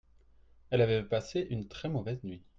Elle avait passé une très mauvaise nuit.